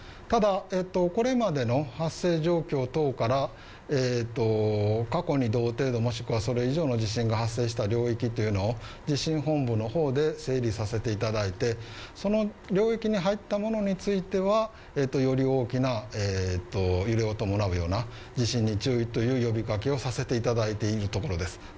ただ、これまでの発生状況等から過去に同程度もしくはそれ以上の地震が発生した領域というのを地震本部の方で整理させていただいて、その領域に入ったものについてはより大きないろいろ伴うような地震に注意という呼びかけをさせていただいているところです